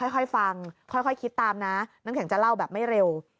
ค่อยฟังค่อยคิดตามนะน้ำแข็งจะเล่าแบบไม่เร็ว